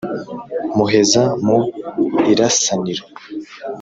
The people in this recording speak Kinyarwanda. Muheza mu irasaniro